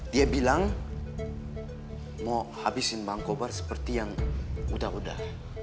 dia bilang mau habisin bangkobar seperti yang udah udah